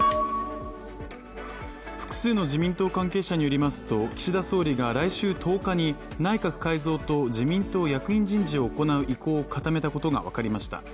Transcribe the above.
複数の自民党関係者によりますと岸田総理が来週１０日に内閣改造と自民党役員人事を行う意向を固めたことが分かりました。